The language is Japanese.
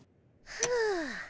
ふう。